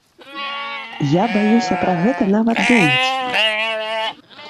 Я баюся пра гэта нават думаць.